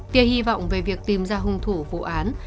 tia hy vọng về việc tìm ra hung thủ vụ án